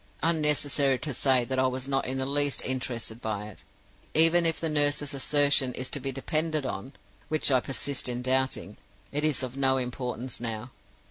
Unnecessary to say that I was not in the least interested by it. Even if the nurse's assertion is to be depended on which I persist in doubting it is of no importance now.